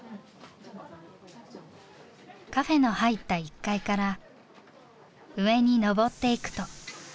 カフェの入った１階から上に上っていくと。